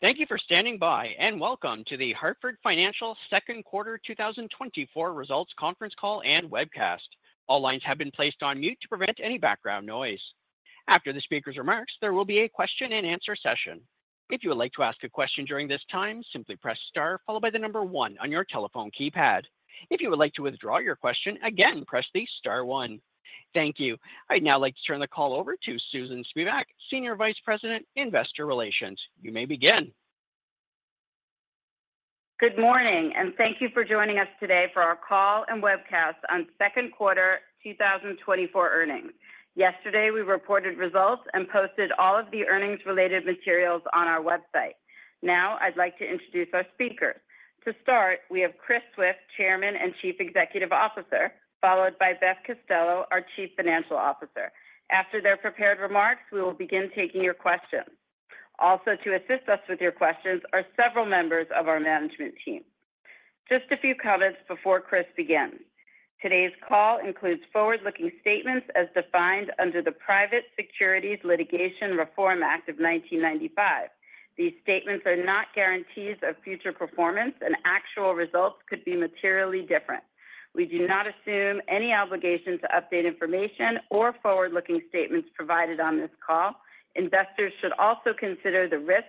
Thank you for standing by, and welcome to The Hartford Second Quarter 2024 Results Conference Call and Webcast. All lines have been placed on mute to prevent any background noise. After the speaker's remarks, there will be a question-and-answer session. If you would like to ask a question during this time, simply press star followed by the number one on your telephone keypad. If you would like to withdraw your question, again, press the star one. Thank you. I'd now like to turn the call over to Susan Spivak, Senior Vice President, Investor Relations. You may begin. Good morning, and thank you for joining us today for our call and webcast on second quarter 2024 earnings. Yesterday, we reported results and posted all of the earnings-related materials on our website. Now, I'd like to introduce our speaker. To start, we have Chris Swift, Chairman and Chief Executive Officer, followed by Beth Costello, our Chief Financial Officer. After their prepared remarks, we will begin taking your questions. Also, to assist us with your questions are several members of our management team. Just a few comments before Chris begins. Today's call includes forward-looking statements as defined under the Private Securities Litigation Reform Act of 1995. These statements are not guarantees of future performance, and actual results could be materially different. We do not assume any obligation to update information or forward-looking statements provided on this call. Investors should also consider the risks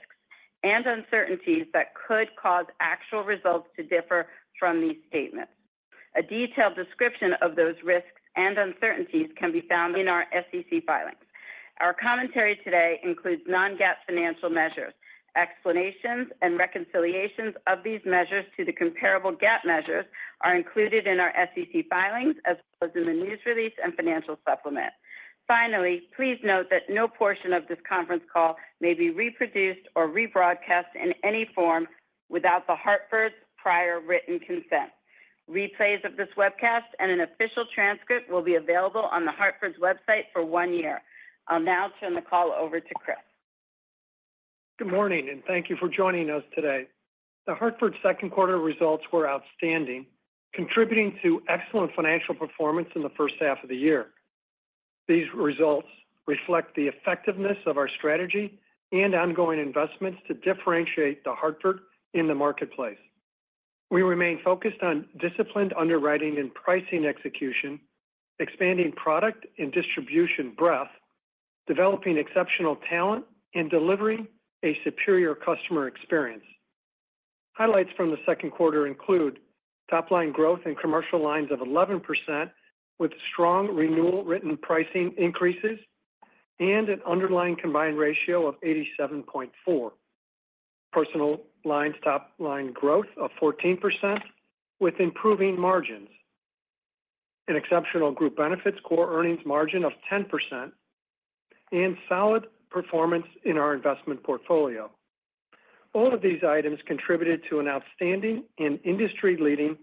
and uncertainties that could cause actual results to differ from these statements. A detailed description of those risks and uncertainties can be found in our SEC filings. Our commentary today includes non-GAAP financial measures. Explanations and reconciliations of these measures to the comparable GAAP measures are included in our SEC filings, as well as in the news release and financial supplement. Finally, please note that no portion of this conference call may be reproduced or rebroadcast in any form without The Hartford's prior written consent. Replays of this webcast and an official transcript will be available on The Hartford's website for one year. I'll now turn the call over to Chris. Good morning, and thank you for joining us today. The Hartford second quarter results were outstanding, contributing to excellent financial performance in the first half of the year. These results reflect the effectiveness of our strategy and ongoing investments to differentiate The Hartford in the marketplace. We remain focused on disciplined underwriting and pricing execution, expanding product and distribution breadth, developing exceptional talent, and delivering a superior customer experience. Highlights from the second quarter include top-line growth in commercial lines of 11%, with strong renewal written pricing increases and an underlying combined ratio of 87.4. Personal lines top-line growth of 14% with improving margins, an exceptional group benefits core earnings margin of 10%, and solid performance in our investment portfolio. All of these items contributed to an outstanding and industry-leading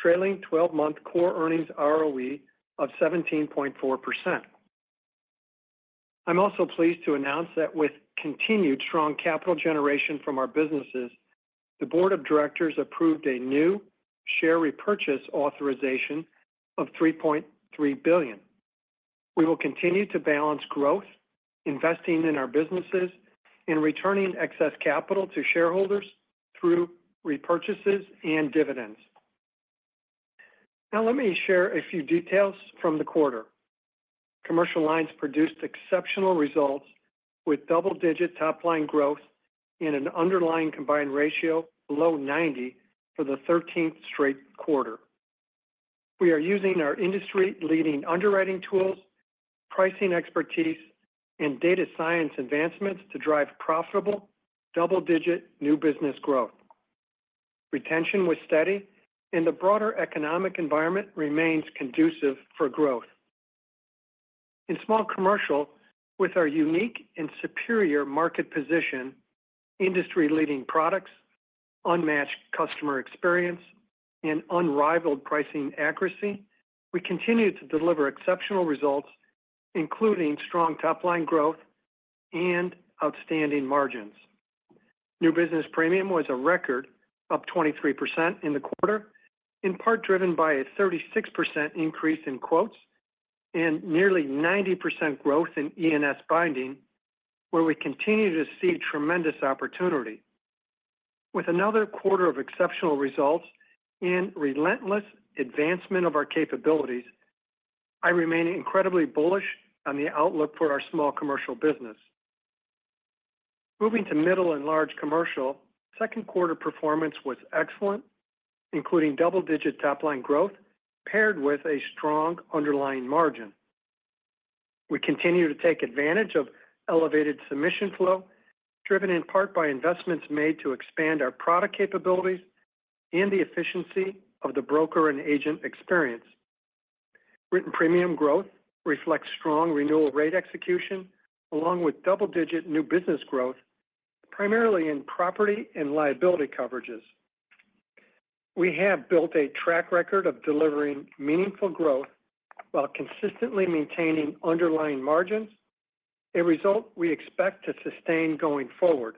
trailing twelve-month core earnings ROE of 17.4%. I'm also pleased to announce that with continued strong capital generation from our businesses, the board of directors approved a new share repurchase authorization of $3.3 billion. We will continue to balance growth, investing in our businesses, and returning excess capital to shareholders through repurchases and dividends. Now, let me share a few details from the quarter. Commercial lines produced exceptional results with double-digit top-line growth and an underlying combined ratio below 90 for the 13th straight quarter. We are using our industry-leading underwriting tools, pricing expertise, and data science advancements to drive profitable double-digit new business growth. Retention was steady and the broader economic environment remains conducive for growth. In small commercial, with our unique and superior market position, industry-leading products, unmatched customer experience, and unrivaled pricing accuracy, we continue to deliver exceptional results, including strong top-line growth and outstanding margins. New business premium was a record, up 23% in the quarter, in part driven by a 36% increase in quotes and nearly 90% growth in E&S binding, where we continue to see tremendous opportunity. With another quarter of exceptional results and relentless advancement of our capabilities, I remain incredibly bullish on the outlook for our small commercial business. Moving to middle and large commercial, second quarter performance was excellent, including double-digit top-line growth paired with a strong underlying margin. We continue to take advantage of elevated submission flow, driven in part by investments made to expand our product capabilities and the efficiency of the broker and agent experience. Written premium growth reflects strong renewal rate execution, along with double-digit new business growth, primarily in property and liability coverages. We have built a track record of delivering meaningful growth while consistently maintaining underlying margins, a result we expect to sustain going forward.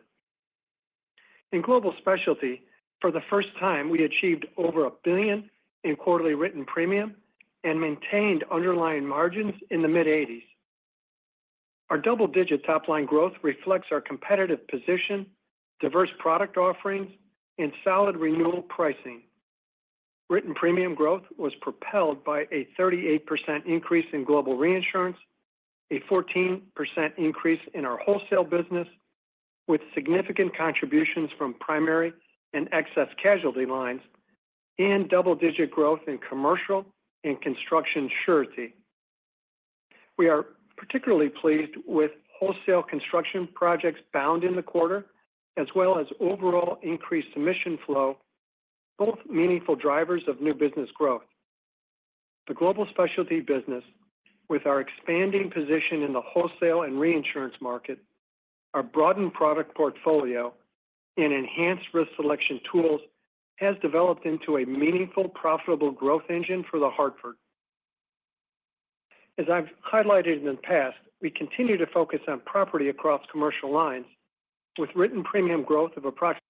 In global specialty, for the first time, we achieved over $1 billion in quarterly written premium and maintained underlying margins in the mid-1980s. Our double-digit top-line growth reflects our competitive position, diverse product offerings, and solid renewal pricing. Written premium growth was propelled by a 38% increase in global reinsurance, a 14% increase in our wholesale business, with significant contributions from primary and excess casualty lines, and double-digit growth in commercial and construction surety. We are particularly pleased with wholesale construction projects bound in the quarter, as well as overall increased submission flow, both meaningful drivers of new business growth. The global specialty business, with our expanding position in the wholesale and reinsurance market, our broadened product portfolio, and enhanced risk selection tools, has developed into a meaningful, profitable growth engine for The Hartford. As I've highlighted in the past, we continue to focus on property across commercial lines with written premium growth of approximately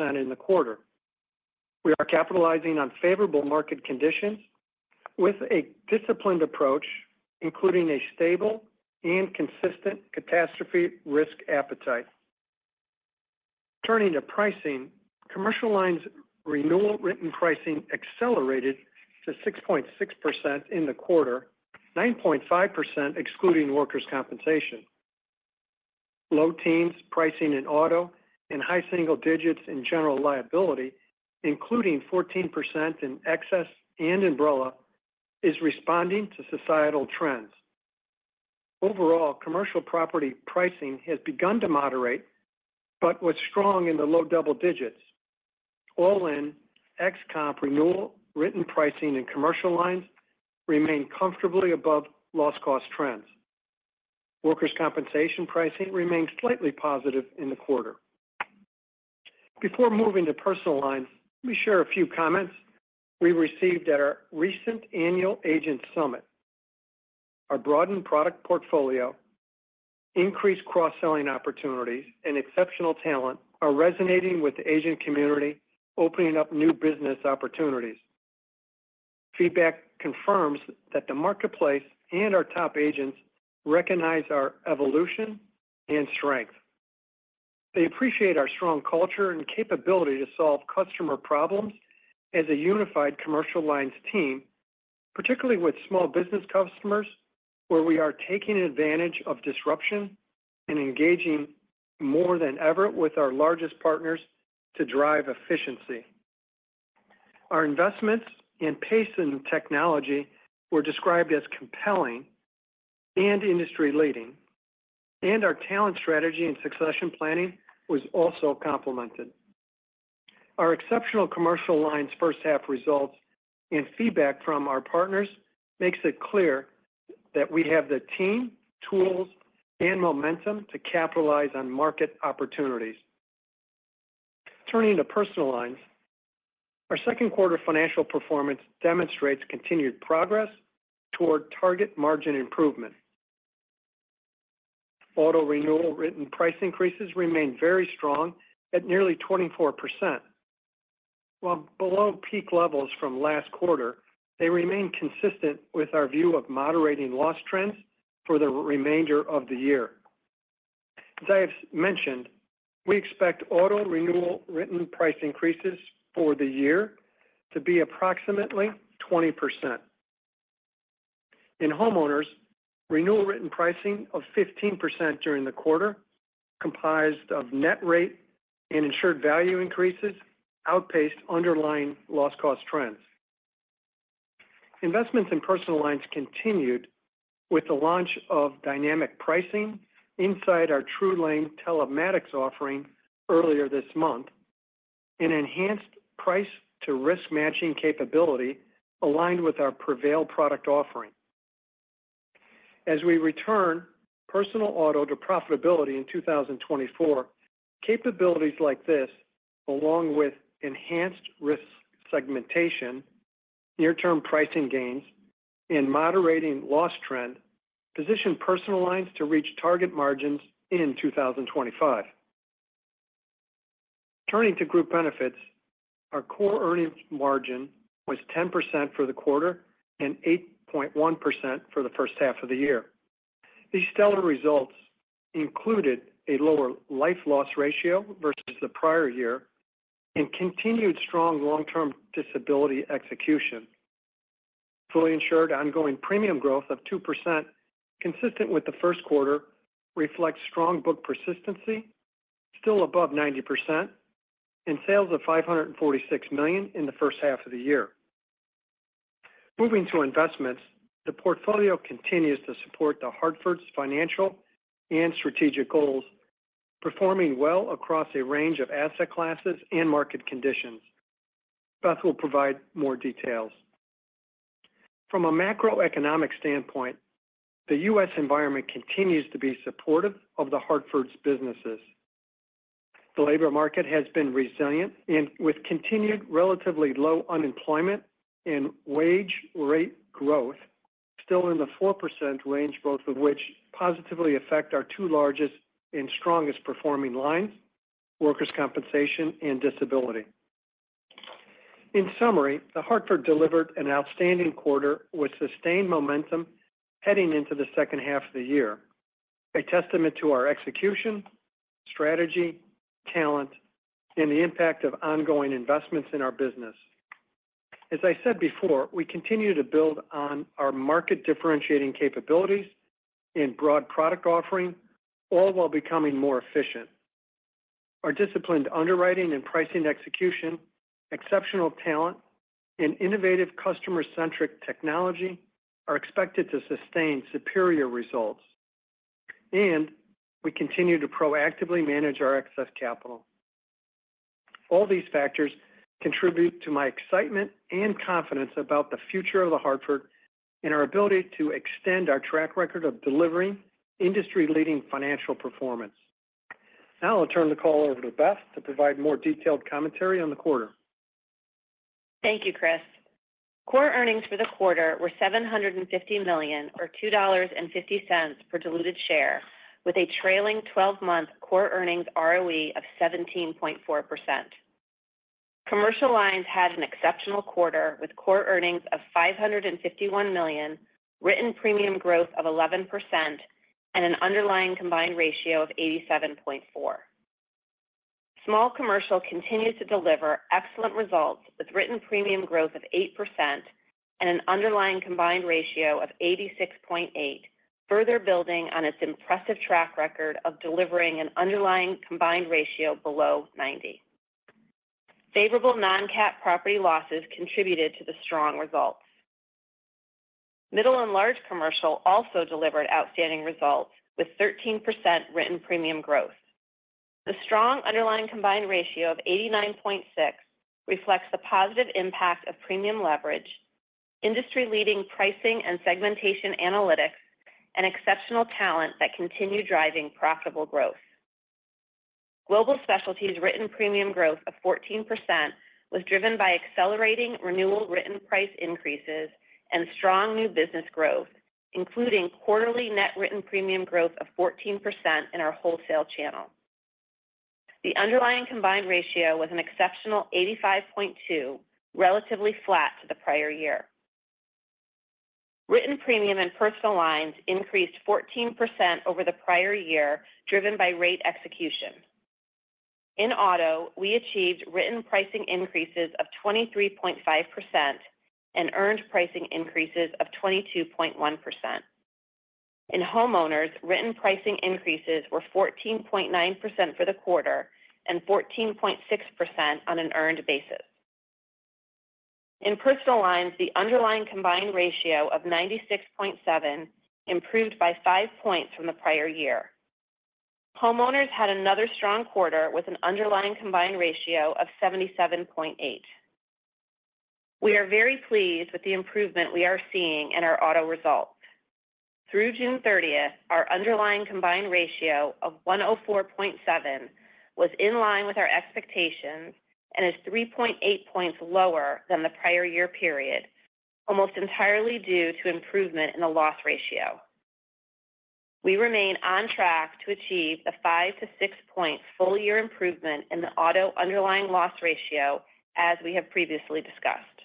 20% in the quarter. We are capitalizing on favorable market conditions with a disciplined approach, including a stable and consistent catastrophe risk appetite. Turning to pricing, commercial lines renewal written pricing accelerated to 6.6% in the quarter, 9.5% excluding workers' compensation. Low teens pricing in auto and high single digits in general liability, including 14% in excess and umbrella, is responding to societal trends. Overall, commercial property pricing has begun to moderate, but was strong in the low double digits. All in, ex-comp renewal, written pricing in commercial lines remain comfortably above loss cost trends. Workers' compensation pricing remains slightly positive in the quarter. Before moving to personal lines, let me share a few comments we received at our recent annual agent summit. Our broadened product portfolio, increased cross-selling opportunities, and exceptional talent are resonating with the agent community, opening up new business opportunities. Feedback confirms that the marketplace and our top agents recognize our evolution and strength. They appreciate our strong culture and capability to solve customer problems as a unified commercial lines team, particularly with small business customers, where we are taking advantage of disruption and engaging more than ever with our largest partners to drive efficiency. Our investments and pace in technology were described as compelling and industry-leading, and our talent strategy and succession planning was also complimented. Our exceptional commercial lines first half results and feedback from our partners makes it clear that we have the team, tools, and momentum to capitalize on market opportunities. Turning to personal lines, our second quarter financial performance demonstrates continued progress toward target margin improvement. Auto renewal written price increases remain very strong at nearly 24%. While below peak levels from last quarter, they remain consistent with our view of moderating loss trends for the remainder of the year. As I have mentioned, we expect auto renewal written price increases for the year to be approximately 20%. In homeowners, renewal written pricing of 15% during the quarter, comprised of net rate and insured value increases, outpaced underlying loss cost trends. Investments in personal lines continued with the launch of dynamic pricing inside our TrueLane Telematics offering earlier this month, an enhanced price-to-risk matching capability aligned with our Prevail product offering. As we return personal auto to profitability in 2024, capabilities like this, along with enhanced risk segmentation, near-term pricing gains, and moderating loss trend, position personal lines to reach target margins in 2025. Turning to group benefits, our core earnings margin was 10% for the quarter and 8.1% for the first half of the year. These stellar results included a lower life loss ratio versus the prior year and continued strong long-term disability execution. Fully insured ongoing premium growth of 2%, consistent with the first quarter, reflects strong book persistency, still above 90%, and sales of $546 million in the first half of the year. Moving to investments, the portfolio continues to support The Hartford's financial and strategic goals, performing well across a range of asset classes and market conditions. Beth will provide more details. From a macroeconomic standpoint, the US environment continues to be supportive of The Hartford's businesses. The labor market has been resilient and with continued relatively low unemployment and wage rate growth still in the 4% range, both of which positively affect our two largest and strongest performing lines, workers' compensation and disability. In summary, The Hartford delivered an outstanding quarter with sustained momentum heading into the second half of the year, a testament to our execution, strategy, talent, and the impact of ongoing investments in our business. As I said before, we continue to build on our market-differentiating capabilities and broad product offering, all while becoming more efficient. Our disciplined underwriting and pricing execution, exceptional talent, and innovative customer-centric technology are expected to sustain superior results, and we continue to proactively manage our excess capital. All these factors contribute to my excitement and confidence about the future of The Hartford and our ability to extend our track record of delivering industry-leading financial performance. Now I'll turn the call over to Beth to provide more detailed commentary on the quarter. Thank you, Chris. Core earnings for the quarter were $750 million, or $2.50 per diluted share, with a trailing 12-month core earnings ROE of 17.4%. Commercial lines had an exceptional quarter, with core earnings of $551 million, written premium growth of 11%, and an underlying combined ratio of 87.4. Small commercial continues to deliver excellent results, with written premium growth of 8% and an underlying combined ratio of 86.8, further building on its impressive track record of delivering an underlying combined ratio below 90. Favorable non-cat property losses contributed to the strong results. Middle and large commercial also delivered outstanding results, with 13% written premium growth. The strong underlying combined ratio of 89.6 reflects the positive impact of premium leverage, industry-leading pricing and segmentation analytics, and exceptional talent that continue driving profitable growth. Global Specialty's written premium growth of 14% was driven by accelerating renewal written price increases and strong new business growth, including quarterly net written premium growth of 14% in our wholesale channel. The underlying combined ratio was an exceptional 85.2, relatively flat to the prior year. Written premium and personal lines increased 14% over the prior year, driven by rate execution. In auto, we achieved written pricing increases of 23.5% and earned pricing increases of 22.1%. In homeowners, written pricing increases were 14.9% for the quarter and 14.6% on an earned basis.In personal lines, the underlying combined ratio of 96.7 improved by five points from the prior year. Homeowners had another strong quarter, with an underlying combined ratio of 77.8. We are very pleased with the improvement we are seeing in our auto results. Through June 30th, our underlying combined ratio of 104.7 was in line with our expectations and is 3.8 points lower than the prior year period, almost entirely due to improvement in the loss ratio. We remain on track to achieve the 5-6 point full-year improvement in the auto underlying loss ratio, as we have previously discussed.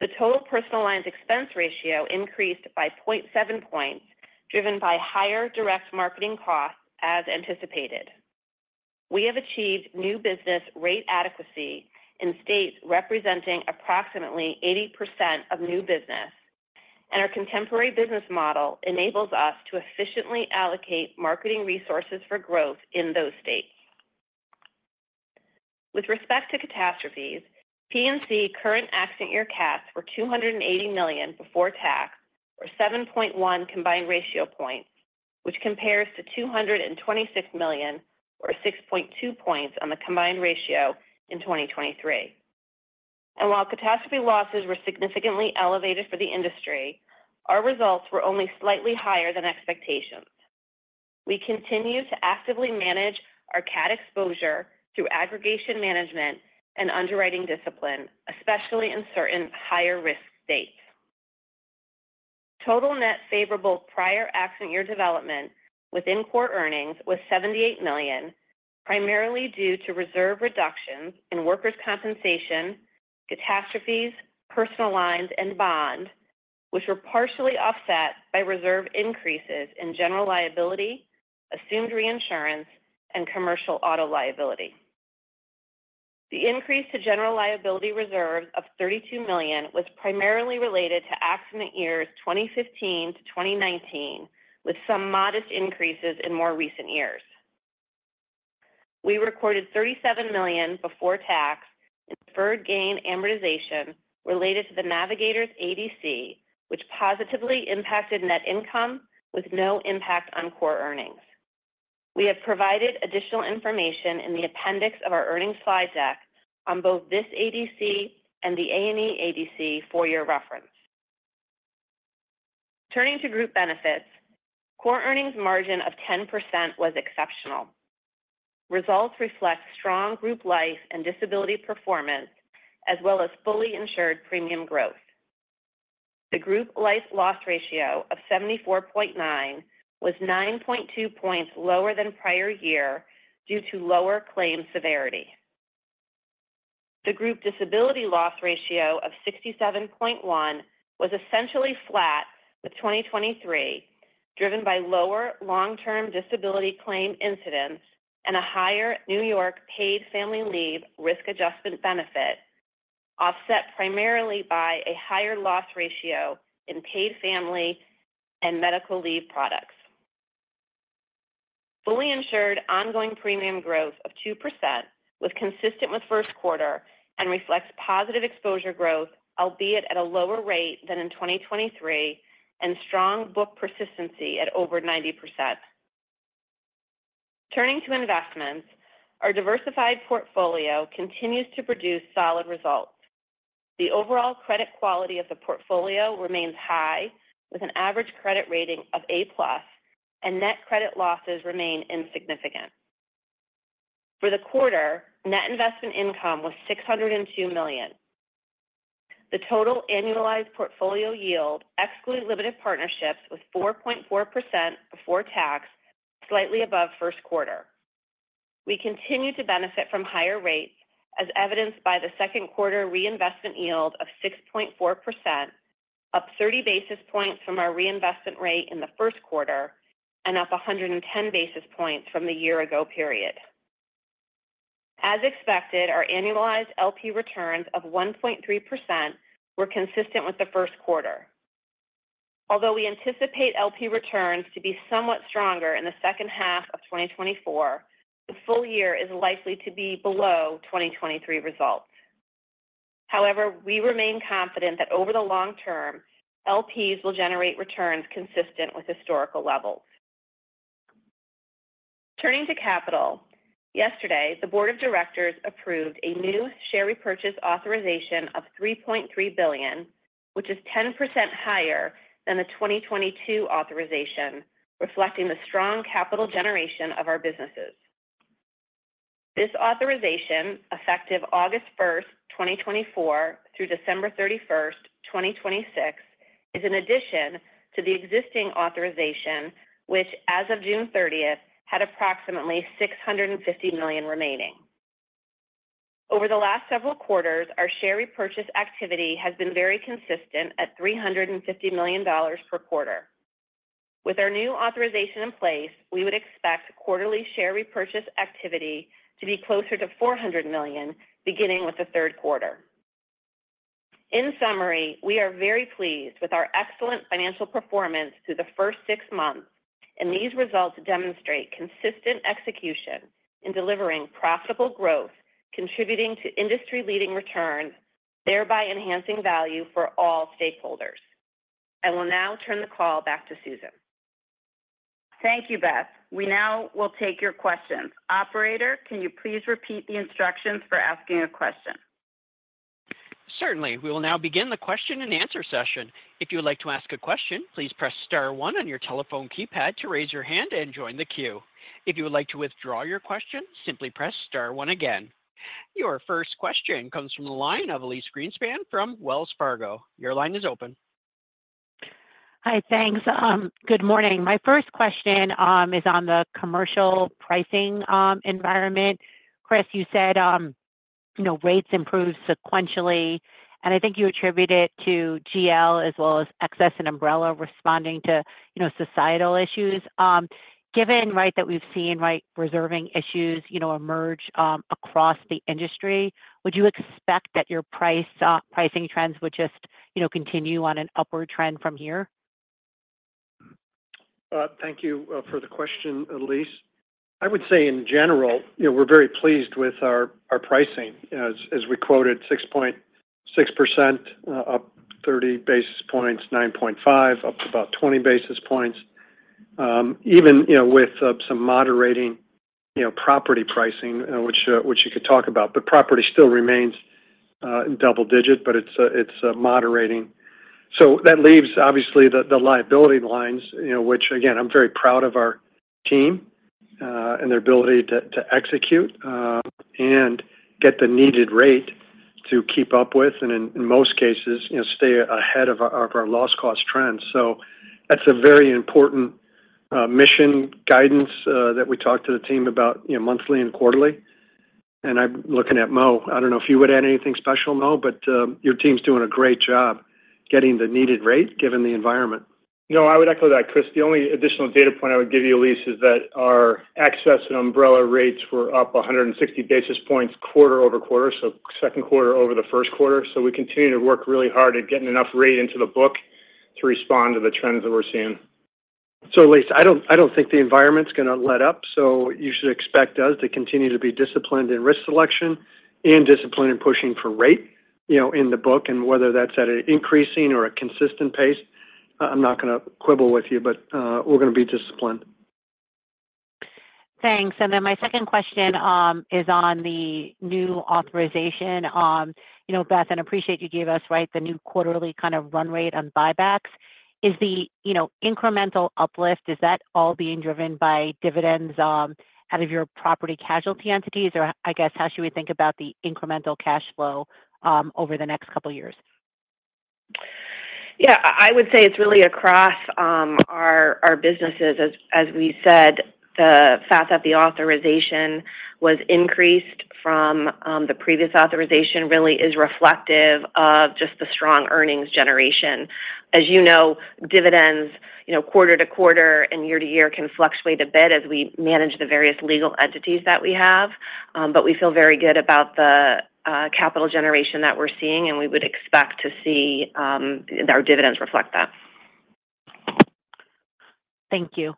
The total personal lines expense ratio increased by 0.7 points, driven by higher direct marketing costs as anticipated. We have achieved new business rate adequacy in states representing approximately 80% of new business, and our contemporary business model enables us to efficiently allocate marketing resources for growth in those states. With respect to catastrophes, P&C current accident year cats were $280 million before tax, or 7.1 combined ratio points, which compares to $226 million, or 6.2 points, on the combined ratio in 2023. While catastrophe losses were significantly elevated for the industry, our results were only slightly higher than expectations. We continue to actively manage our cat exposure through aggregation management and underwriting discipline, especially in certain higher-risk states. Total net favorable prior accident year development within core earnings was $78 million, primarily due to reserve reductions in workers' compensation, catastrophes, personal lines, and bond, which were partially offset by reserve increases in general liability, assumed reinsurance, and commercial auto liability. The increase to general liability reserves of $32 million was primarily related to accident years 2015-2019, with some modest increases in more recent years. We recorded $37 million before tax in deferred gain amortization related to the Navigators ADC, which positively impacted net income with no impact on core earnings. We have provided additional information in the appendix of our earnings slide deck on both this ADC and the A&E ADC for your reference. Turning to group benefits, core earnings margin of 10% was exceptional. Results reflect strong group life and disability performance, as well as fully insured premium growth.... The group life loss ratio of 74.9 was 9.2 points lower than prior year due to lower claim severity. The group disability loss ratio of 67.1 was essentially flat with 2023, driven by lower long-term disability claim incidents and a higher New York Paid Family Leave risk adjustment benefit, offset primarily by a higher loss ratio in paid family and medical leave products. Fully insured ongoing premium growth of 2% was consistent with first quarter and reflects positive exposure growth, albeit at a lower rate than in 2023 and strong book persistency at over 90%. Turning to investments, our diversified portfolio continues to produce solid results. The overall credit quality of the portfolio remains high, with an average credit rating of A+, and net credit losses remain insignificant. For the quarter, net investment income was $602 million. The total annualized portfolio yield, exclude limited partnerships, was 4.4% before tax, slightly above first quarter. We continue to benefit from higher rates, as evidenced by the second quarter reinvestment yield of 6.4%, up 30 basis points from our reinvestment rate in the first quarter and up 110 basis points from the year ago period. As expected, our annualized LP returns of 1.3% were consistent with the first quarter. Although we anticipate LP returns to be somewhat stronger in the second half of 2024, the full year is likely to be below 2023 results. However, we remain confident that over the long term, LPs will generate returns consistent with historical levels. Turning to capital, yesterday, the board of directors approved a new share repurchase authorization of $3.3 billion, which is 10% higher than the 2022 authorization, reflecting the strong capital generation of our businesses. This authorization, effective August 1, 2024, through December 31, 2026, is in addition to the existing authorization, which, as of June 30, had approximately $650 million remaining. Over the last several quarters, our share repurchase activity has been very consistent at $350 million per quarter. With our new authorization in place, we would expect quarterly share repurchase activity to be closer to $400 million, beginning with the third quarter. In summary, we are very pleased with our excellent financial performance through the first six months, and these results demonstrate consistent execution in delivering profitable growth, contributing to industry-leading returns, thereby enhancing value for all stakeholders. I will now turn the call back to Susan. Thank you, Beth. We now will take your questions. Operator, can you please repeat the instructions for asking a question? Certainly. We will now begin the question and answer session. If you would like to ask a question, please press star one on your telephone keypad to raise your hand and join the queue. If you would like to withdraw your question, simply press star one again. Your first question comes from the line of Elyse Greenspan from Wells Fargo. Your line is open. Hi, thanks. Good morning. My first question is on the commercial pricing environment. Chris, you said, you know, rates improved sequentially, and I think you attribute it to GL as well as excess and umbrella, responding to, you know, societal issues. Given, right, that we've seen, right, reserving issues, you know, emerge across the industry, would you expect that your pricing trends would just, you know, continue on an upward trend from here? Thank you for the question, Elise. I would say, in general, you know, we're very pleased with our pricing. As we quoted, 6.6%, up 30 basis points, 9.5, up about 20 basis points. Even, you know, with some moderating, you know, property pricing, which you could talk about, but property still remains double digit, but it's moderating. So that leaves, obviously, the liability lines, you know, which again, I'm very proud of our team and their ability to execute and get the needed rate to keep up with, and in most cases, you know, stay ahead of our loss cost trends. So that's a very important mission guidance that we talk to the team about, you know, monthly and quarterly. I'm looking at Mo. I don't know if you would add anything special, Mo, but your team's doing a great job getting the needed rate, given the environment. No, I would echo that, Chris. The only additional data point I would give you, Elyse, is that our excess and umbrella rates were up 160 basis points quarter over quarter, so second quarter over the first quarter. So we continue to work really hard at getting enough rate into the book to respond to the trends that we're seeing. So Elyse, I don't, I don't think the environment's gonna let up, so you should expect us to continue to be disciplined in risk selection and disciplined in pushing for rate, you know, in the book, and whether that's at an increasing or a consistent pace, I'm not gonna quibble with you, but, we're gonna be disciplined. Thanks. Then my second question is on the new authorization. You know, Beth, and I appreciate you gave us, right, the new quarterly kind of run rate on buybacks... Is the, you know, incremental uplift, is that all being driven by dividends out of your property casualty entities? Or I guess, how should we think about the incremental cash flow over the next couple of years? Yeah, I would say it's really across our businesses. As we said, the fact that the authorization was increased from the previous authorization really is reflective of just the strong earnings generation. As you know, dividends, you know, quarter to quarter and year to year can fluctuate a bit as we manage the various legal entities that we have. But we feel very good about the capital generation that we're seeing, and we would expect to see our dividends reflect that. Thank you.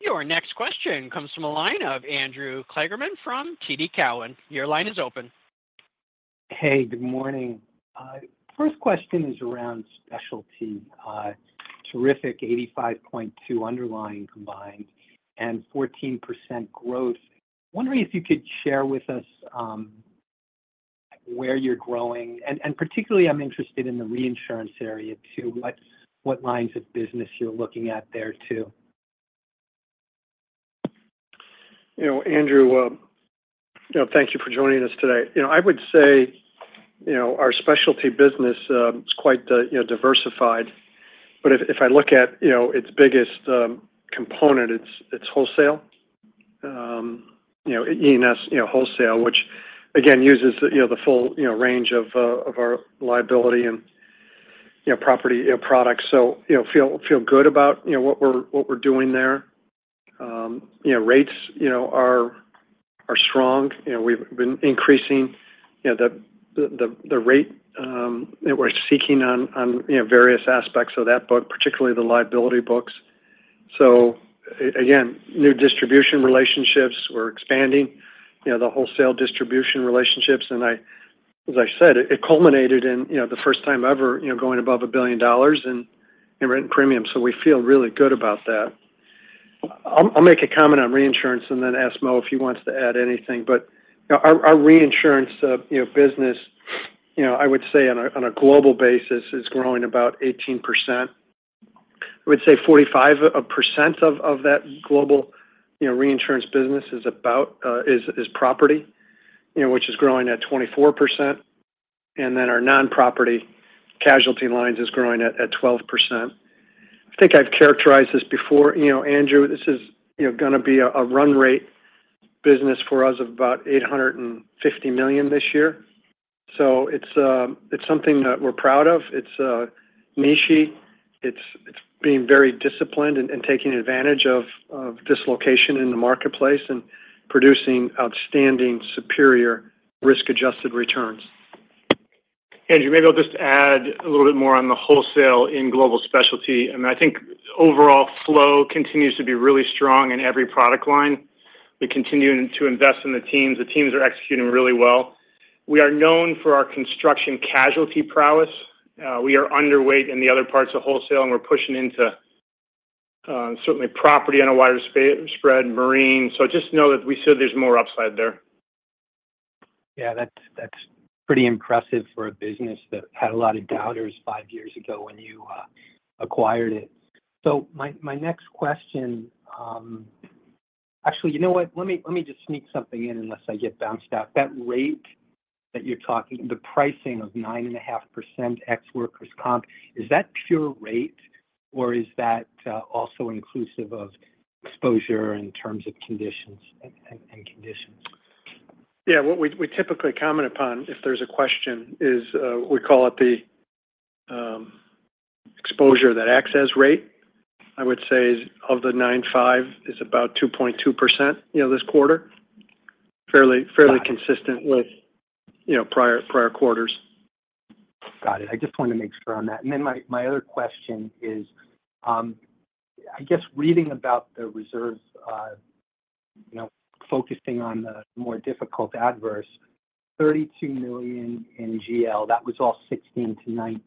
Your next question comes from the line of Andrew Kligerman from TD Cowen. Your line is open. Hey, good morning. First question is around specialty. Terrific 85.2 underlying combined and 14% growth. Wondering if you could share with us where you're growing, and particularly I'm interested in the reinsurance area, too. What lines of business you're looking at there, too? You know, Andrew, you know, thank you for joining us today. You know, I would say, you know, our specialty business is quite, you know, diversified. But if I look at, you know, its biggest component, it's wholesale. You know, E&S, you know, wholesale, which, again, uses the, you know, the full, you know, range of our liability and, you know, property, you know, products. So, you know, feel good about, you know, what we're doing there. You know, rates, you know, are strong. You know, we've been increasing, you know, the rate that we're seeking on, you know, various aspects of that book, particularly the liability books. So again, new distribution relationships, we're expanding, you know, the wholesale distribution relationships, and I as I said, it culminated in, you know, the first time ever, you know, going above $1 billion in written premiums, so we feel really good about that. I'll make a comment on reinsurance and then ask Mo if he wants to add anything. But, you know, our reinsurance business, you know, I would say on a global basis, is growing about 18%. I would say 45% of that global reinsurance business is property, you know, which is growing at 24%, and then our non-property casualty lines is growing at 12%. I think I've characterized this before. You know, Andrew, this is, you know, gonna be a run rate business for us of about $850 million this year. So it's, it's something that we're proud of. It's being very disciplined and taking advantage of this location in the marketplace and producing outstanding, superior risk-adjusted returns. Andrew, maybe I'll just add a little bit more on the wholesale in global specialty, and I think overall flow continues to be really strong in every product line. We're continuing to invest in the teams. The teams are executing really well. We are known for our construction casualty prowess. We are underweight in the other parts of wholesale, and we're pushing into certainly property on a wider spread, marine. So just know that we said there's more upside there. Yeah, that's, that's pretty impressive for a business that had a lot of doubters five years ago when you acquired it. So my, my next question... Actually, you know what? Let me, let me just sneak something in unless I get bounced out. That rate that you're talking, the pricing of 9.5% ex-workers comp, is that pure rate, or is that also inclusive of exposure in terms of conditions and, and, and conditions? Yeah, what we typically comment upon, if there's a question, is, we call it the exposure, that acts as rate. I would say of the 95 is about 2.2%, you know, this quarter. Fairly consistent with, you know, prior quarters. Got it. I just wanted to make sure on that. And then my, my other question is, I guess reading about the reserves, you know, focusing on the more difficult adverse, $32 million in GL, that was all 2016-2019,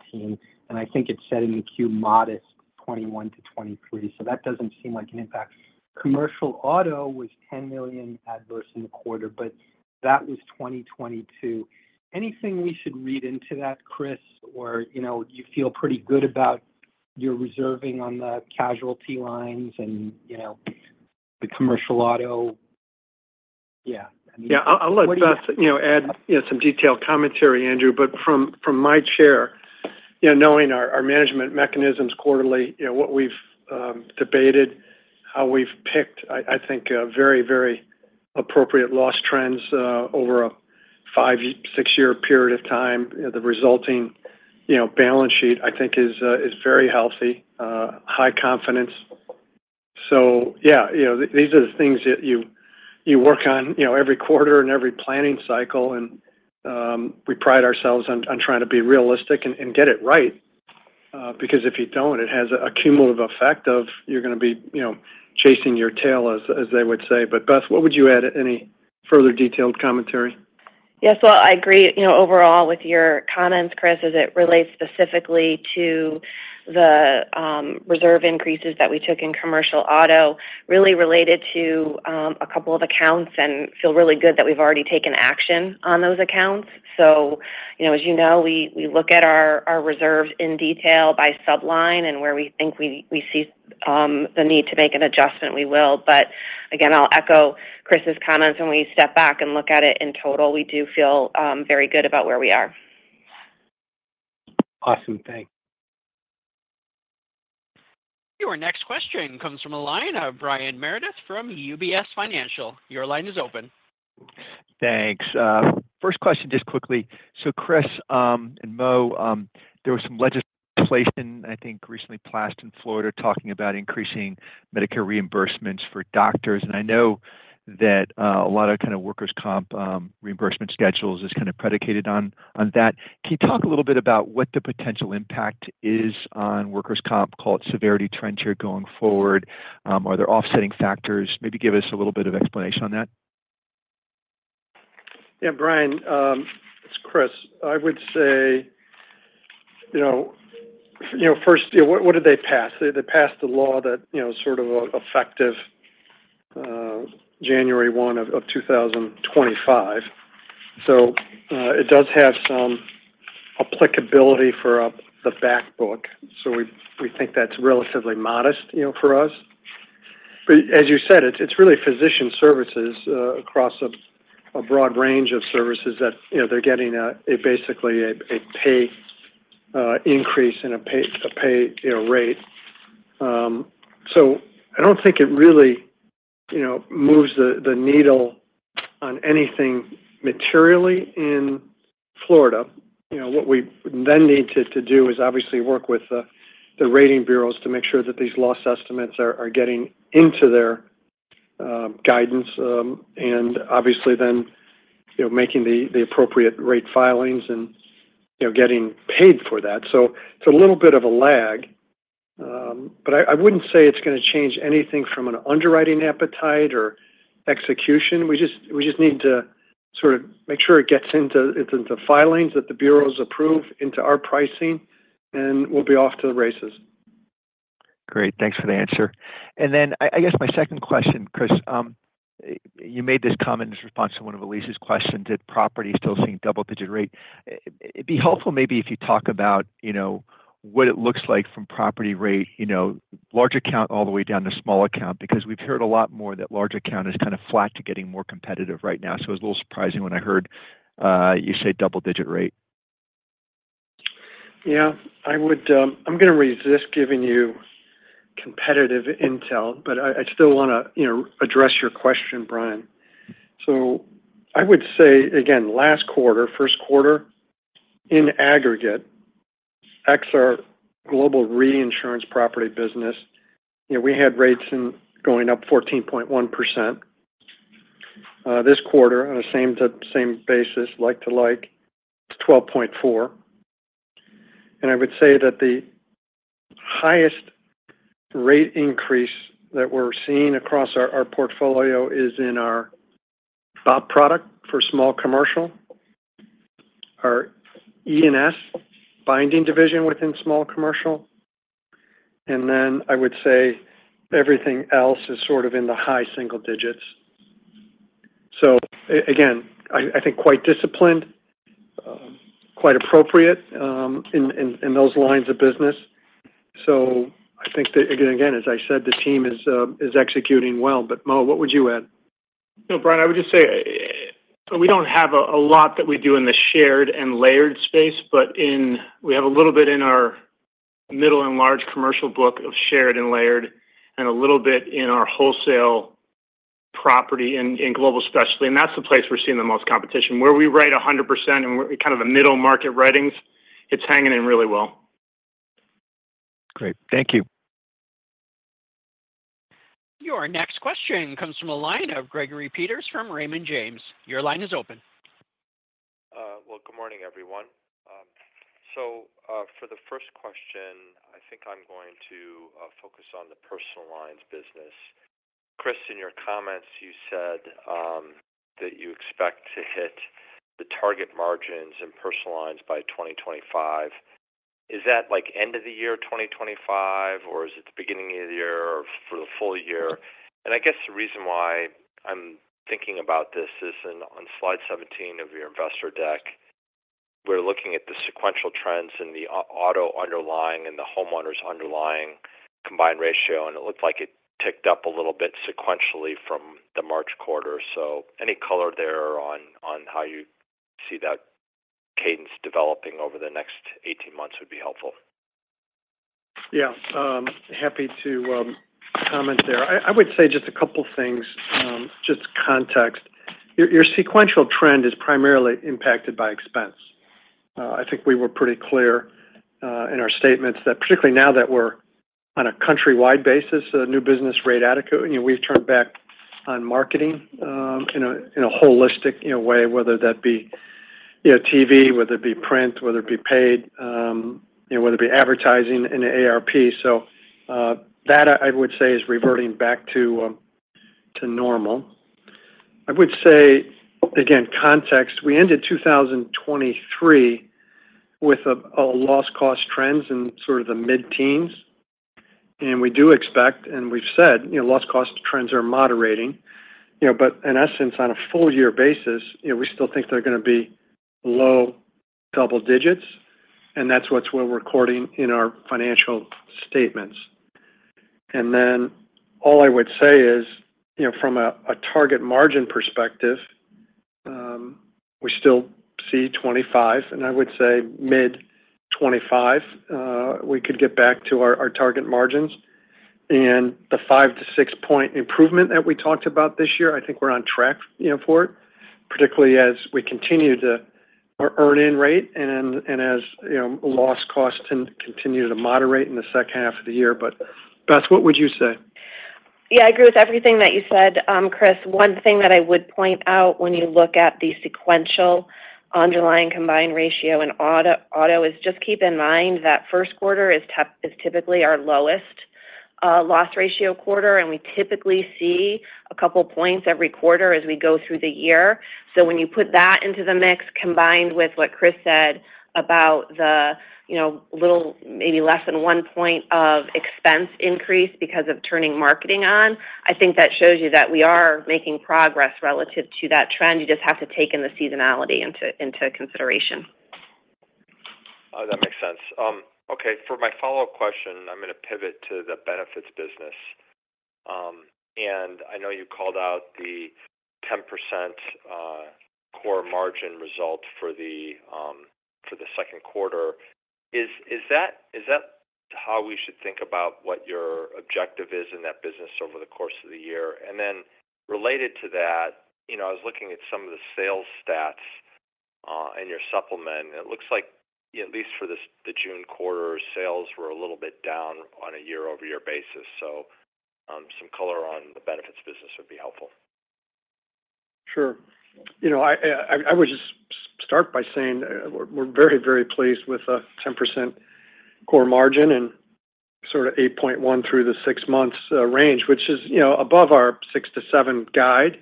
and I think it said in the Q, modest 2021-2023. So that doesn't seem like an impact. Commercial auto was $10 million adverse in the quarter, but that was 2022. Anything we should read into that, Chris, or, you know, you feel pretty good about your reserving on the casualty lines and, you know, the commercial auto? Yeah. Yeah. I'll let Beth, you know, add, you know, some detailed commentary, Andrew, but from my chair, you know, knowing our management mechanisms quarterly, you know, what we've debated, how we've picked, I think, a very, very appropriate loss trends over a five-year, six-year period of time, the resulting, you know, balance sheet, I think, is very healthy, high confidence. So yeah, you know, these are the things that you work on, you know, every quarter and every planning cycle, and we pride ourselves on trying to be realistic and get it right, because if you don't, it has a cumulative effect of you're gonna be, you know, chasing your tail, as they would say. But, Beth, what would you add, any further detailed commentary? Yes, well, I agree, you know, overall with your comments, Chris, as it relates specifically to the reserve increases that we took in commercial auto, really related to a couple of accounts, and feel really good that we've already taken action on those accounts. So, you know, as you know, we look at our reserves in detail by sub-line, and where we think we see the need to make an adjustment, we will. But again, I'll echo Chris's comments. When we step back and look at it in total, we do feel very good about where we are. Awesome. Thanks. Your next question comes from the line of Brian Meredith from UBS Financial. Your line is open. Thanks. First question, just quickly. So Chris, and Mo, there was some legislation, I think, recently passed in Florida talking about increasing Medicare reimbursements for doctors, and I know that a lot of kind of workers' comp reimbursement schedules is kind of predicated on that. Can you talk a little bit about what the potential impact is on workers' comp, call it severity trend here going forward? Are there offsetting factors? Maybe give us a little bit of explanation on that. Yeah, Brian, it's Chris. I would say, you know, you know, first, what, what did they pass? They passed a law that, you know, is sort of effective, January 1, 2025. So, it does have some applicability for, the back book, so we, we think that's relatively modest, you know, for us. But as you said, it's, it's really physician services, across a, a broad range of services that, you know, they're getting a, a basically a, a pay, increase and a pay - a pay, you know, rate. So I don't think it really, you know, moves the, the needle on anything materially in Florida. You know, what we then need to do is obviously work with the rating bureaus to make sure that these loss estimates are getting into their guidance, and obviously then, you know, making the appropriate rate filings and, you know, getting paid for that. So it's a little bit of a lag, but I wouldn't say it's gonna change anything from an underwriting appetite or execution. We just need to sort of make sure it gets into the filings that the bureaus approve into our pricing, and we'll be off to the races. Great. Thanks for the answer. And then I, I guess my second question, Chris, you made this comment in response to one of Elyse's question: Did property still seeing double-digit rate? It'd be helpful maybe if you talk about, you know, what it looks like from property rate, you know, large account all the way down to small account, because we've heard a lot more that large account is kind of flat to getting more competitive right now. So it was a little surprising when I heard, you say double digit rate. Yeah, I would. I'm gonna resist giving you competitive intel, but I still wanna, you know, address your question, Brian. So I would say again, last quarter, first quarter, in aggregate, our Global Reinsurance property business, you know, we had rates going up 14.1%. This quarter, on a same-to-same basis, like-to-like, it's 12.4. And I would say that the highest rate increase that we're seeing across our portfolio is in our top product for small commercial, our E&S binding division within small commercial, and then I would say everything else is sort of in the high single digits. So again, I think quite disciplined, quite appropriate, in those lines of business. So I think that, again, as I said, the team is executing well. But Mo, what would you add? No, Brian, I would just say, we don't have a lot that we do in the shared and layered space, but in, we have a little bit in our middle and large commercial book of shared and layered and a little bit in our wholesale property in global specialty, and that's the place we're seeing the most competition. Where we write 100% and we're kind of the middle market writings, it's hanging in really well. Great. Thank you. Your next question comes from a line of Gregory Peters from Raymond James. Your line is open. Well, good morning, everyone. So, for the first question, I think I'm going to focus on the personal lines business. Chris, in your comments, you said that you expect to hit the target margins in personal lines by 2025. Is that like end of the year 2025, or is it the beginning of the year or for the full year? And I guess the reason why I'm thinking about this is on slide 17 of your investor deck, we're looking at the sequential trends in the auto underlying and the homeowners underlying combined ratio, and it looked like it ticked up a little bit sequentially from the March quarter. So any color there on how you see that cadence developing over the next 18 months would be helpful. Yeah, happy to comment there. I would say just a couple of things, just context. Your sequential trend is primarily impacted by expense. I think we were pretty clear in our statements that particularly now that we're on a countrywide basis, a new business rate adequate, and we've turned back on marketing in a holistic, you know, way, whether that be you know, TV, whether it be print, whether it be paid, you know, whether it be advertising in AARP. So that I would say is reverting back to normal. I would say, again, context, we ended 2023 with a loss cost trends in sort of the mid-teens, and we do expect, and we've said, you know, loss cost trends are moderating. You know, but in essence, on a full year basis, you know, we still think they're gonna be low double digits, and that's what we're recording in our financial statements. And then all I would say is, you know, from a target margin perspective, we still see 2025, and I would say mid-2025, we could get back to our target margins. And the 5-6 point improvement that we talked about this year, I think we're on track, you know, for it, particularly as we continue to our earn in rate and as, you know, loss costs continue to moderate in the second half of the year. But, Beth, what would you say? Yeah, I agree with everything that you said, Chris. One thing that I would point out when you look at the sequential underlying combined ratio in auto is just keep in mind that first quarter is typically our lowest loss ratio quarter, and we typically see a couple points every quarter as we go through the year. So when you put that into the mix, combined with what Chris said about the, you know, little, maybe less than one point of expense increase because of turning marketing on, I think that shows you that we are making progress relative to that trend. You just have to take in the seasonality into consideration. That makes sense. Okay, for my follow-up question, I'm gonna pivot to the benefits business. And I know you called out the 10%, core margin result for the, for the second quarter. Is, is that, is that how we should think about what your objective is in that business over the course of the year? And then related to that, you know, I was looking at some of the sales stats, in your supplement. It looks like, at least for this, the June quarter, sales were a little bit down on a year-over-year basis. So, some color on the benefits business would be helpful. Sure. You know, I would just start by saying we're very pleased with the 10% core margin and sort of 8.1 through the six months range, which is, you know, above our 6-7 guide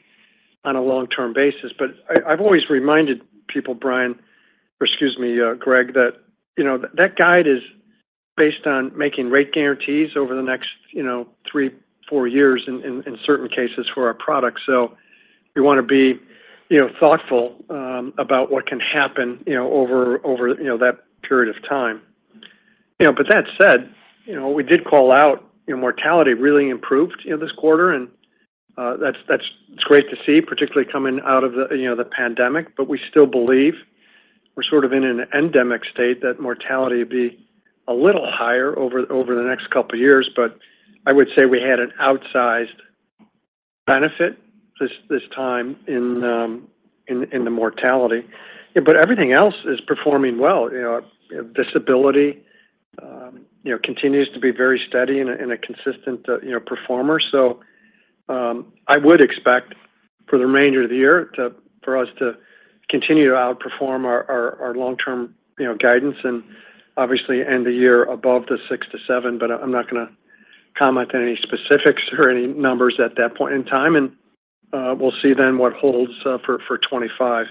on a long-term basis. But I've always reminded people, Brian, or excuse me, Greg, that, you know, that guide is based on making rate guarantees over the next, you know, 3-4 years in certain cases for our products. So you want to be, you know, thoughtful about what can happen, you know, over that period of time. You know, but that said, you know, we did call out, you know, mortality really improved, you know, this quarter, and that's great to see, particularly coming out of the, you know, the pandemic. But we still believe we're sort of in an endemic state, that mortality will be a little higher over the next couple of years. But I would say we had an outsized benefit this time in the mortality. But everything else is performing well. You know, disability, you know, continues to be very steady and a consistent, you know, performer. So, I would expect for the remainder of the year for us to continue to outperform our long-term, you know, guidance, and obviously end the year above the 6-7, but I'm not gonna comment on any specifics or any numbers at that point in time. And we'll see then what holds for 2025.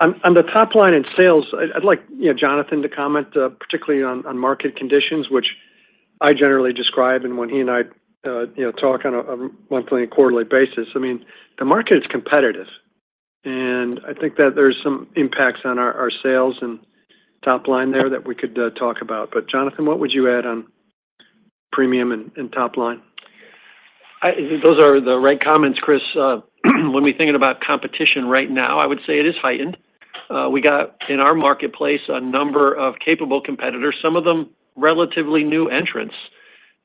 On the top line in sales, I'd like, you know, Jonathan to comment, particularly on market conditions, which I generally describe, and when he and I, you know, talk on a monthly and quarterly basis. I mean, the market is competitive, and I think that there's some impacts on our sales and top line there that we could talk about. But, Jonathan, what would you add on premium and top line? Those are the right comments, Chris. When we think about competition right now, I would say it is heightened. We got in our marketplace a number of capable competitors, some of them relatively new entrants,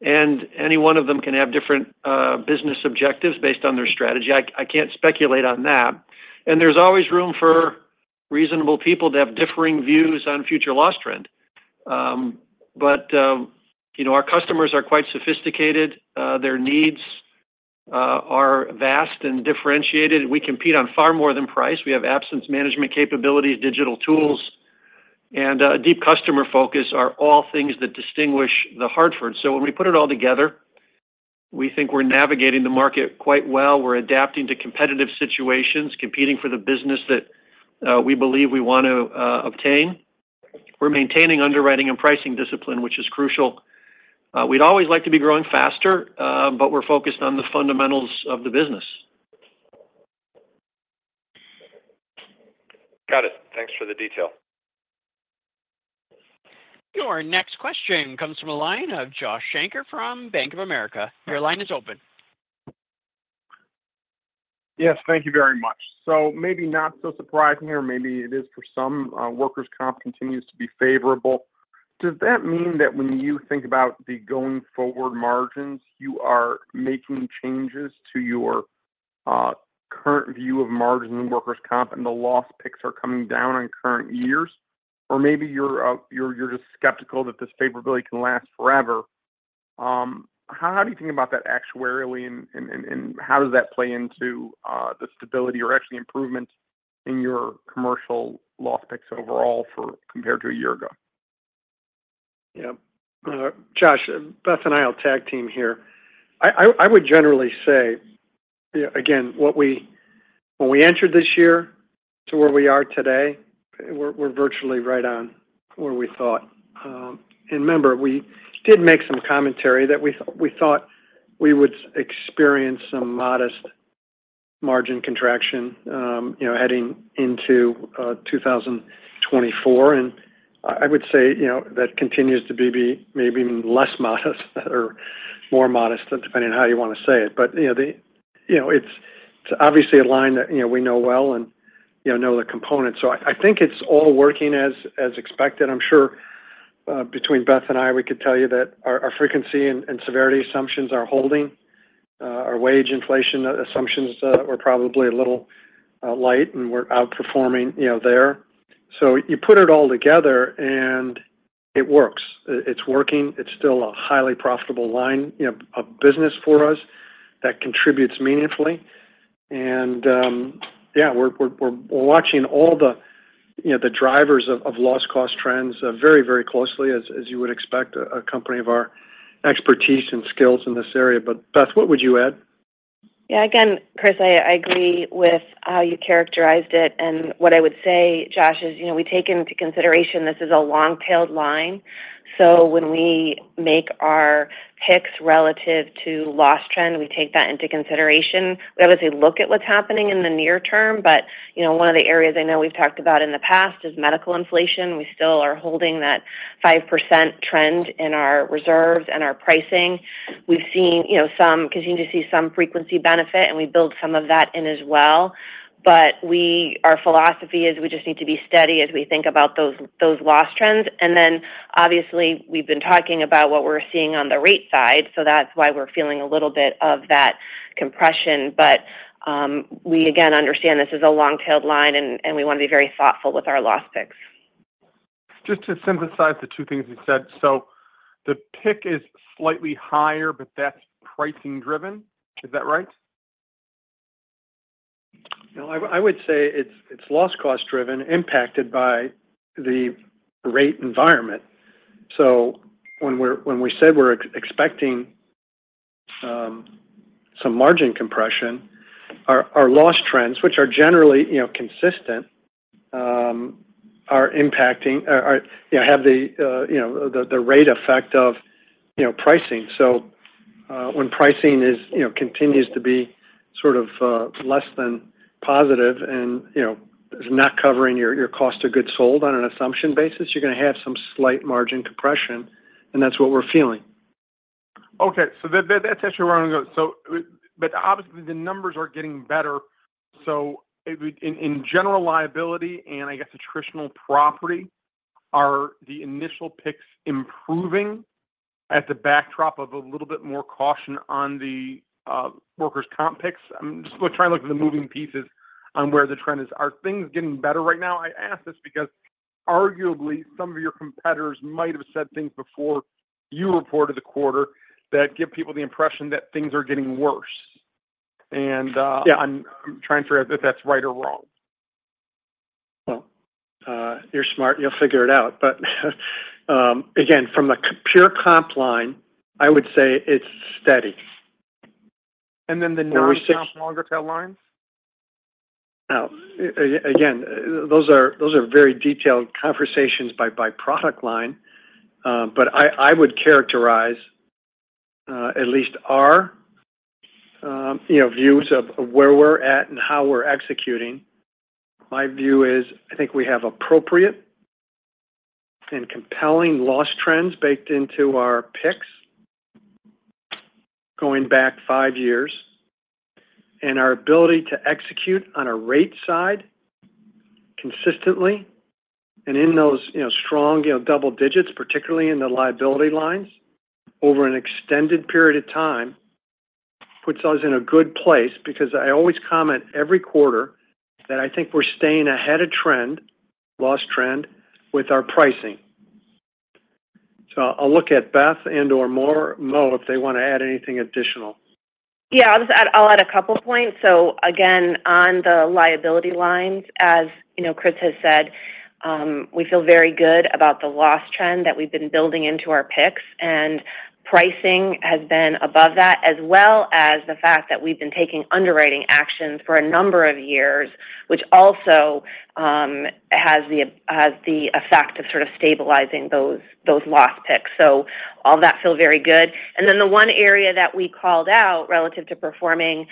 and any one of them can have different business objectives based on their strategy. I can't speculate on that. And there's always room for reasonable people to have differing views on future loss trend. But you know, our customers are quite sophisticated. Their needs are vast and differentiated. We compete on far more than price. We have absence management capabilities, digital tools, and deep customer focus are all things that distinguish The Hartford. So when we put it all together, we think we're navigating the market quite well. We're adapting to competitive situations, competing for the business that we believe we want to obtain. We're maintaining underwriting and pricing discipline, which is crucial. We'd always like to be growing faster, but we're focused on the fundamentals of the business. Got it. Thanks for the detail. Your next question comes from a line of Josh Shanker from Bank of America. Your line is open. Yes, thank you very much. So maybe not so surprising or maybe it is for some, workers' comp continues to be favorable. Does that mean that when you think about the going forward margins, you are making changes to your current view of margin in workers' comp, and the loss picks are coming down on current years? Or maybe you're just skeptical that this favorability can last forever? How do you think about that actuarially, and how does that play into the stability or actually improvement in your commercial loss picks overall for compared to a year ago? Yeah. Josh, Beth and I will tag team here. I would generally say, again, when we entered this year to where we are today, we're virtually right on where we thought. And remember, we did make some commentary that we thought we would experience some modest margin contraction, you know, heading into 2024. And I would say, you know, that continues to be maybe less modest or more modest, depending on how you want to say it. But, you know, the... You know, it's obviously a line that, you know, we know well and, you know, know the components. So I think it's all working as expected. I'm sure between Beth and I, we could tell you that our frequency and severity assumptions are holding, our wage inflation assumptions were probably a little light, and we're outperforming, you know, there. So you put it all together, and it works. It's working. It's still a highly profitable line, you know, of business for us that contributes meaningfully. And yeah, we're watching all the, you know, the drivers of loss cost trends very, very closely, as you would expect a company of our expertise and skills in this area. But, Beth, what would you add? Yeah, again, Chris, I, I agree with how you characterized it, and what I would say, Josh, is, you know, we take into consideration this is a long-tailed line. So when we make our picks relative to loss trend, we take that into consideration. We obviously look at what's happening in the near term, but, you know, one of the areas I know we've talked about in the past is medical inflation. We still are holding that 5% trend in our reserves and our pricing. We've seen, you know, some continue to see some frequency benefit, and we build some of that in as well. But our philosophy is we just need to be steady as we think about those, those loss trends. And then, obviously, we've been talking about what we're seeing on the rate side, so that's why we're feeling a little bit of that compression. But, we again understand this is a long-tailed line, and we want to be very thoughtful with our loss picks. Just to synthesize the two things you said, so the pick is slightly higher, but that's pricing driven. Is that right? You know, I would say it's loss cost driven, impacted by the rate environment. So when we said we're expecting some margin compression, our loss trends, which are generally, you know, consistent, are impacting. You know, have the rate effect of pricing. So when pricing is, you know, continues to be sort of less than positive and, you know, is not covering your cost of goods sold on an assumption basis, you're gonna have some slight margin compression, and that's what we're feeling. Okay. So that's actually where I'm gonna go. So, but obviously, the numbers are getting better. So if we in general liability, and I guess traditional property, are the initial picks improving at the backdrop of a little bit more caution on the workers' comp picks? I'm just trying to look at the moving pieces on where the trend is. Are things getting better right now? I ask this because, arguably, some of your competitors might have said things before you reported the quarter that give people the impression that things are getting worse. And Yeah... I'm trying to figure out if that's right or wrong. Well, you're smart, you'll figure it out. But, again, from a pure comp line, I would say it's steady. And then the non-cap longer tail lines? Now, again, those are very detailed conversations by product line. But I would characterize at least our, you know, views of where we're at and how we're executing. My view is, I think we have appropriate and compelling loss trends baked into our picks going back five years, and our ability to execute on a rate side consistently and in those, you know, strong, you know, double digits, particularly in the liability lines, over an extended period of time, puts us in a good place. Because I always comment every quarter that I think we're staying ahead of trend, loss trend, with our pricing. So I'll look at Beth and/or Mo, if they want to add anything additional. Yeah, I'll just add a couple points. So again, on the liability lines, as you know, Chris has said, we feel very good about the loss trend that we've been building into our picks, and pricing has been above that, as well as the fact that we've been taking underwriting actions for a number of years, which also has the effect of sort of stabilizing those loss picks. So all that feel very good. And then the one area that we called out relative to performing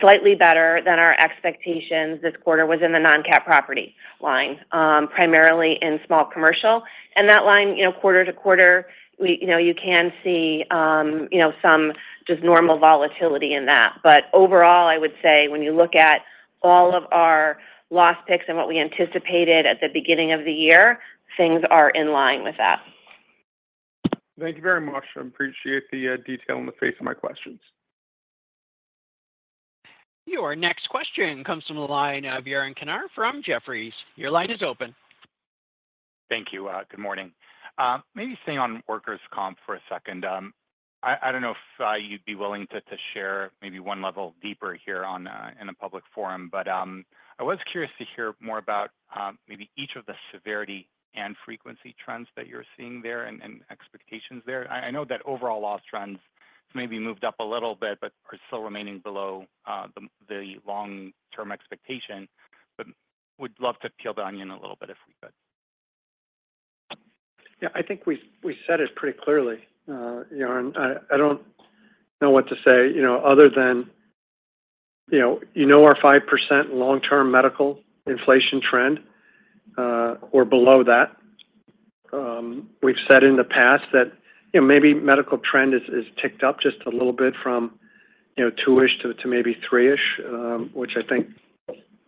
slightly better than our expectations this quarter was in the non-cat property line, primarily in small commercial. And that line, you know, quarter to quarter, we, you know, you can see, you know, some just normal volatility in that. Overall, I would say when you look at all of our loss picks and what we anticipated at the beginning of the year, things are in line with that. Thank you very much. I appreciate the detail in the face of my questions.... Your next question comes from the line of Yaron Kinar from Jefferies. Your line is open. Thank you. Good morning. Maybe staying on workers' comp for a second. I don't know if you'd be willing to share maybe one level deeper here on in a public forum, but I was curious to hear more about maybe each of the severity and frequency trends that you're seeing there and expectations there. I know that overall loss trends maybe moved up a little bit, but are still remaining below the long-term expectation, but would love to peel the onion a little bit if we could. Yeah, I think we said it pretty clearly, Yaron. I don't know what to say, you know, other than, you know, you know our 5% long-term medical inflation trend, or below that. We've said in the past that, you know, maybe medical trend is ticked up just a little bit from, you know, 2%-ish to maybe 3%-ish, which I think,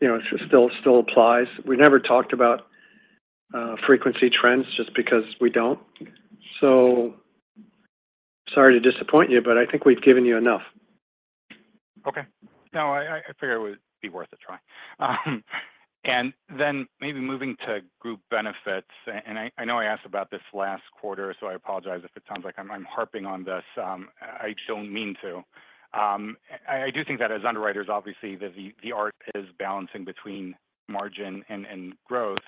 you know, still applies. We never talked about frequency trends just because we don't. So sorry to disappoint you, but I think we've given you enough. Okay. No, I figured it would be worth a try. And then maybe moving to group benefits, and I know I asked about this last quarter, so I apologize if it sounds like I'm harping on this. I don't mean to. I do think that as underwriters, obviously, the art is balancing between margin and growth.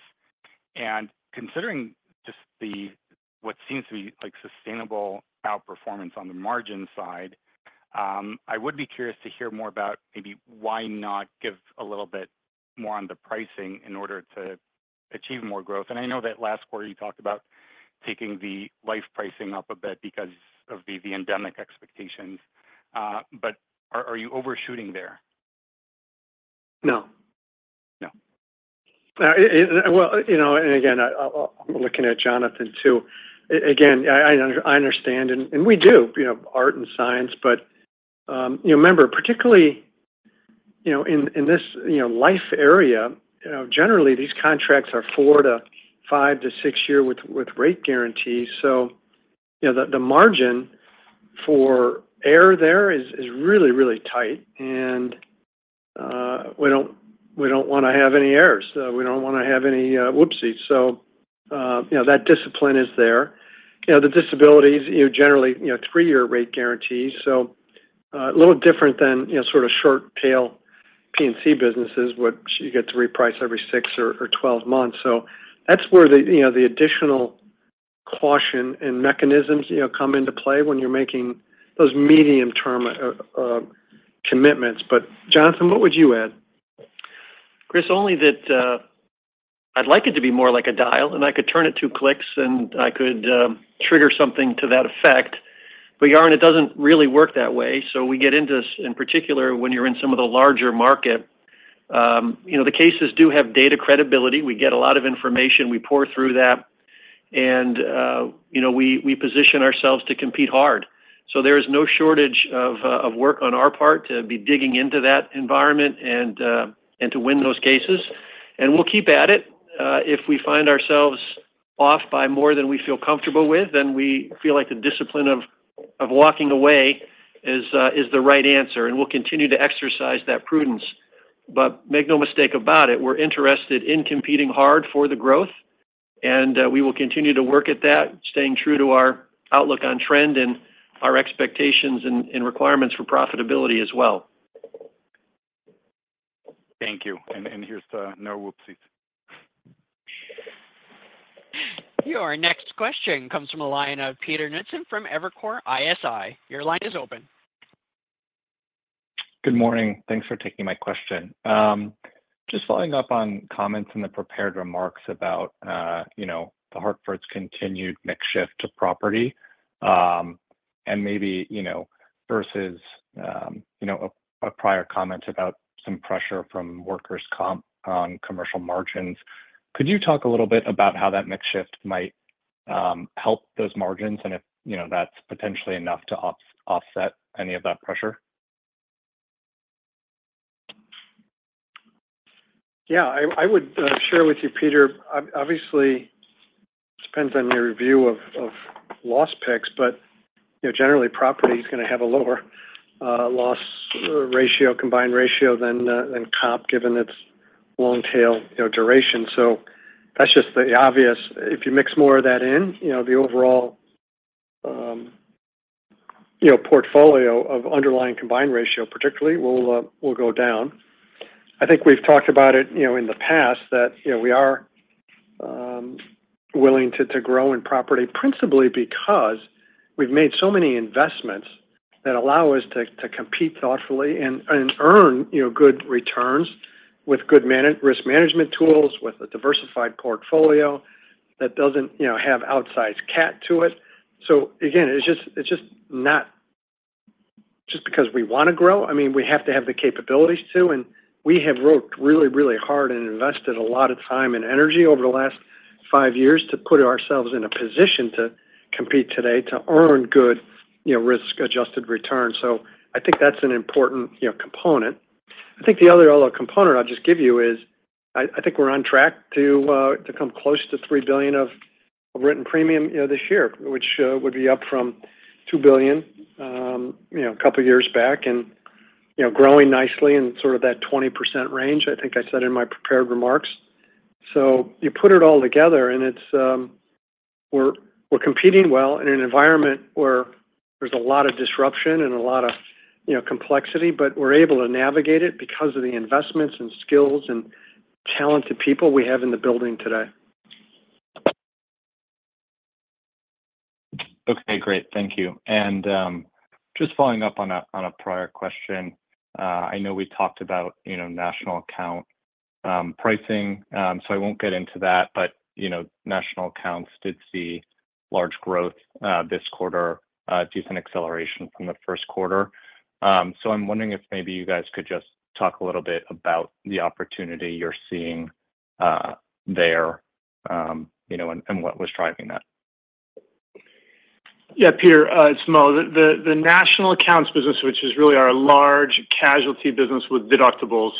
And considering just what seems to be, like, sustainable outperformance on the margin side, I would be curious to hear more about maybe why not give a little bit more on the pricing in order to achieve more growth? And I know that last quarter you talked about taking the life pricing up a bit because of the endemic expectations, but are you overshooting there? No. No. You know, and again, I'm looking at Jonathan too. Again, I understand, and we do, you know, art and science, but you know, remember, particularly, you know, in this, you know, life area, you know, generally these contracts are 4-6 year with rate guarantees. So, you know, the margin for error there is really, really tight, and we don't wanna have any errors. We don't wanna have any whoopsies. So, you know, that discipline is there. You know, the disabilities, you know, generally, you know, three year rate guarantees, so a little different than, you know, sort of short tail P&C businesses, which you get to reprice every six or 12 months. So that's where the, you know, the additional caution and mechanisms, you know, come into play when you're making those medium-term commitments. But Jonathan, what would you add? Chris, only that, I'd like it to be more like a dial, and I could turn it two clicks, and I could trigger something to that effect. But, Yaron, it doesn't really work that way, so we get into this, in particular, when you're in some of the larger market. You know, the cases do have data credibility. We get a lot of information. We pore through that, and you know, we position ourselves to compete hard. So there is no shortage of work on our part to be digging into that environment and to win those cases, and we'll keep at it. If we find ourselves off by more than we feel comfortable with, then we feel like the discipline of walking away is the right answer, and we'll continue to exercise that prudence. But make no mistake about it, we're interested in competing hard for the growth, and we will continue to work at that, staying true to our outlook on trend and our expectations and requirements for profitability as well. Thank you. And here's to no whoopsies. Your next question comes from the line of Peter Knudsen from Evercore ISI. Your line is open. Good morning. Thanks for taking my question. Just following up on comments in the prepared remarks about, you know, The Hartford's continued mix shift to property, and maybe, you know, versus, you know, a prior comment about some pressure from workers' comp on commercial margins. Could you talk a little bit about how that mix shift might help those margins and if, you know, that's potentially enough to offset any of that pressure? Yeah, I would share with you, Peter, obviously, it depends on your view of loss picks, but, you know, generally, property is gonna have a lower loss ratio, combined ratio than comp, given its long tail, you know, duration. So that's just the obvious. If you mix more of that in, you know, the overall portfolio of underlying combined ratio particularly will go down. I think we've talked about it, you know, in the past that, you know, we are willing to grow in property, principally because we've made so many investments that allow us to compete thoughtfully and earn, you know, good returns with good risk management tools, with a diversified portfolio that doesn't, you know, have outsized cat to it. So again, it's just, it's just not just because we want to grow. I mean, we have to have the capabilities to, and we have worked really, really hard and invested a lot of time and energy over the last five years to put ourselves in a position to compete today, to earn good, you know, risk-adjusted returns. So I think that's an important, you know, component. I think the other component I'll just give you is, I, I think we're on track to, to come close to $3 billion of written premium, you know, this year, which would be up from $2 billion, you know, a couple years back, and, you know, growing nicely in sort of that 20% range, I think I said in my prepared remarks. So you put it all together, and it's... We're competing well in an environment where there's a lot of disruption and a lot of, you know, complexity, but we're able to navigate it because of the investments and skills and talented people we have in the building today. Okay, great. Thank you. Just following up on a prior question, I know we talked about, you know, national account pricing, so I won't get into that. But, you know, national accounts did see large growth this quarter, decent acceleration from the first quarter. So I'm wondering if maybe you guys could just talk a little bit about the opportunity you're seeing there, you know, and what was driving that? Yeah, Peter, it's Mo. The national accounts business, which is really our large casualty business with deductibles,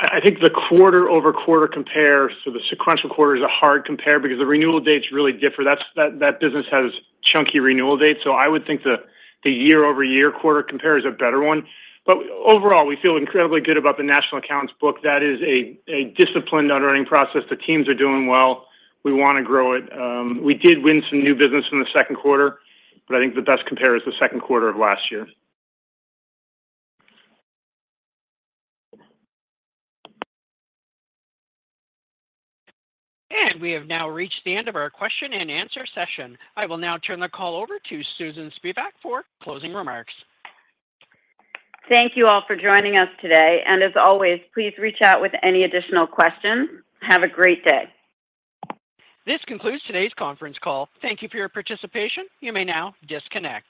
I think the quarter-over-quarter compare, so the sequential quarter is a hard compare because the renewal dates really differ. That business has chunky renewal dates, so I would think the year-over-year quarter compare is a better one. But overall, we feel incredibly good about the national accounts book. That is a disciplined underwriting process. The teams are doing well. We want to grow it. We did win some new business in the second quarter, but I think the best compare is the second quarter of last year. We have now reached the end of our question-and-answer session. I will now turn the call over to Susan Spivak for closing remarks. Thank you all for joining us today. As always, please reach out with any additional questions. Have a great day. This concludes today's conference call. Thank you for your participation. You may now disconnect.